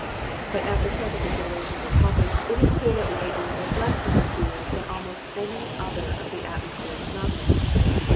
But after a careful consideration of the topic, it is clear that lightning is less to be feared than almost any other of the atmospheric phenomena.